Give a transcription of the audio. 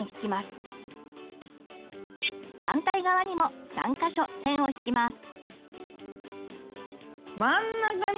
反対側にも３か所線を引きます。